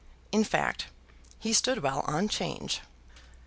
In fact, he stood well on 'Change.